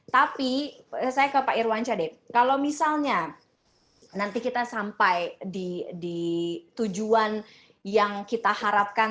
tapi saya ke pak irwansyah deh kalau misalnya nanti kita sampai di tujuan yang kita harapkan